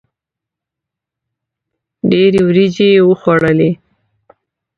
ډېري وریجي یې وخوړلې.